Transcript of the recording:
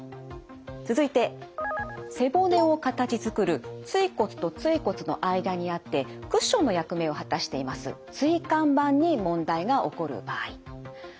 続いて背骨を形づくる椎骨と椎骨の間にあってクッションの役目を果たしています